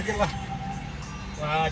tapi setelah itu sepenyelenggaraannya rajin rajin